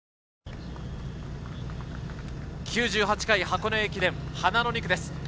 ９８回箱根駅伝、花の２区です。